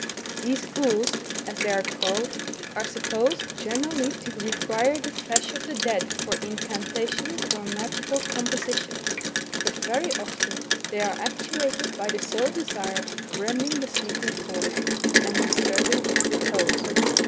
These ghouls, as they are called, are supposed generally to require the flesh of the dead for incantations or magical compositions, but very often they are actuated by the sole desire of rending the sleeping corpse, and disturbing its repose.